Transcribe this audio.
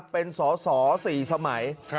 เป็นสอสอ๔สมัย